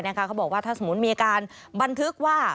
เขาบอกว่าถ้าสมมุติมีการบันทึกว่า